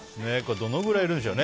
どのぐらいいるんでしょうね。